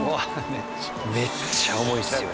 めっちゃ重いっすよね。